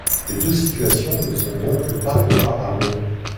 Les deux situations ne sont donc pas comparables.